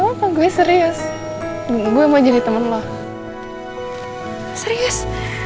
lupa gue serius gue mau jadi temen lo hai serius